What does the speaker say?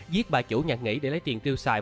giết bà chủ nhà nghỉ để lấy tiền tiêu xài